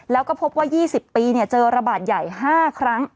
แล้วก็พบว่า๒๐ปีเจอระบาดใหญ่๕ครั้ง